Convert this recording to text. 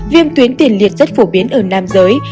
viêm tuyến tiền liệt rất phổ biến ở nam giới